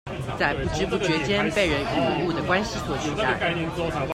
在不知不覺間被人與物的關係所取代